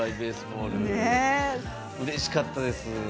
うれしかったです。